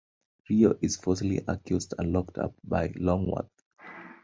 Rio is falsely accused and locked up by Longworth.